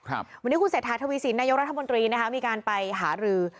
วันนี้คุณเศรษฐาทวีสินนายกรัฐมนตรีนะคะมีการไปหารือ